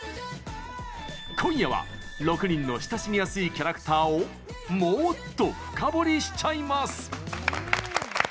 今夜は、６人の親しみやすいキャラクターをもっと深掘りしちゃいます！